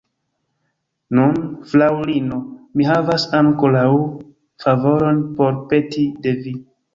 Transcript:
Nun, fraŭlino, mi havas ankoraŭ favoron por peti de vi.